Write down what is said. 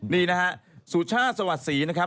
นี่นะฮะสุชาติสวัสดีนะครับ